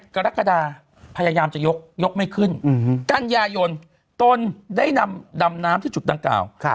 กรกฎาพยายามจะยกยกไม่ขึ้นกันยายนตนได้นำดำน้ำที่จุดดังกล่าว